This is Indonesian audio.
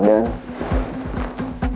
aduh aku mau pulang